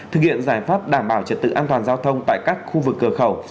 thực hiện giải pháp đảm bảo trật tự an toàn giao thông tại các khu vực cửa khẩu